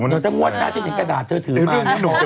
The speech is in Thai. หนูจะมวดหน้าชิ้นกระดาษเธอถือมา